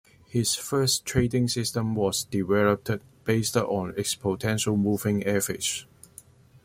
His first trading system was developed based on exponential moving averages.